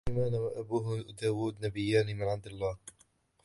سليمان وأبوه داود نبيان من عند الله.